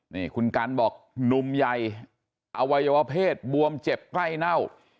นี่คุณกันบอกหนุ่มใหญ่อวัยวะเพศบวมเจ็บใกล้เน่า